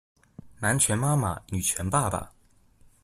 南拳媽媽，女權爸爸